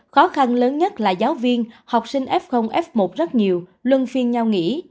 khó khăn lớn nhất là giáo viên học sinh f f một rất nhiều luân phiên nhau nghỉ